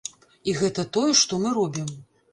І гэта тое, што мы робім.